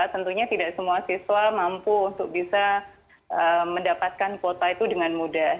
tentunya tidak semua siswa mampu untuk bisa mendapatkan kuota itu dengan mudah